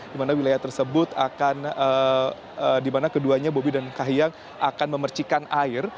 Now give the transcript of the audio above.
dimana wilayah tersebut akan dimana keduanya bobi dan kahiyang akan memperbaiki